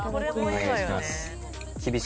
お願いします。